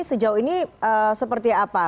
sejauh ini seperti apa